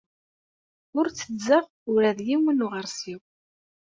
Ur tteddzeɣ ula d yiwen n uɣersiw.